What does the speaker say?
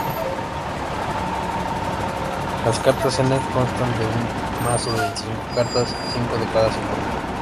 Las cartas Zener constan de un mazo de veinticinco cartas, cinco de cada símbolo.